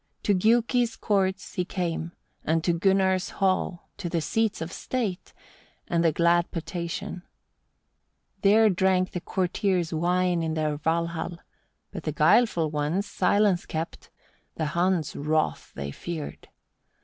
To Giuki's courts he came, and to Gunnar's hall, to the seats of state, and the glad potation: 2. There drank the courtiers wine in their Valhall but the guileful ones silence kept the Huns' wrath they feared.